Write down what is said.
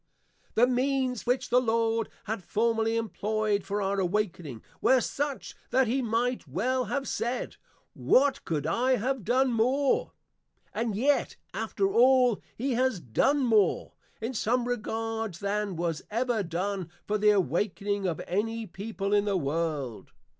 The means which the Lord had formerly employ'd for our awakening, were such, that he might well have said, What could I have done more? and yet after all, he has done more, in some regards, than was ever done for the awakening of any People in the World.